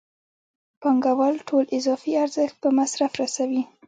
پانګوال ټول اضافي ارزښت په مصرف رسوي